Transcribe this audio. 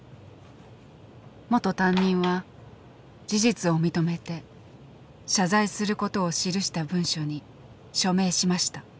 元担任は事実を認めて謝罪することを記した文書に署名しました。